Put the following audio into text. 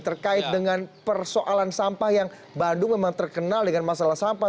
terkait dengan persoalan sampah yang bandung memang terkenal dengan masalah sampah